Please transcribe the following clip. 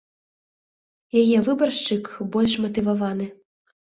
Яе выбаршчык больш матываваны.